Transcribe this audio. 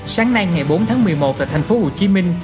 sáng nay ngày bốn tháng một mươi một tại thành phố hồ chí minh